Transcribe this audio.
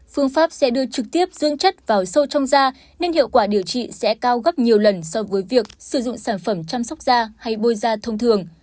phương pháp sẽ đưa trực tiếp dương chất vào sâu trong da nên hiệu quả điều trị sẽ cao gấp nhiều lần so với việc sử dụng sản phẩm chăm sóc da hay bôi da thông thường